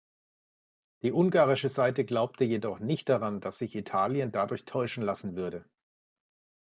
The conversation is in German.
Die ungarische Seite glaubte jedoch nicht daran, dass sich Italien dadurch täuschen lassen würde.